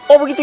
oh begitu ya